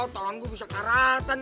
tangguh bisa keratan